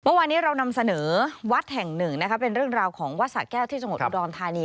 เมื่อวานนี้เรานำเสนอวัดแห่งหนึ่งนะคะเป็นเรื่องราวของวัดสะแก้วที่จังหวัดอุดรธานี